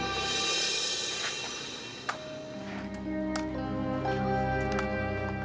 aku sudah sampai di deer noob semua tahunan ini